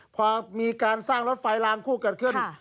พอมีการสร้างรถไฟลางคู่เกิดขึ้น